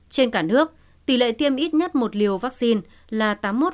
trên cả nước tỷ lệ tiêm ít nhất một liều vaccine là tám mươi một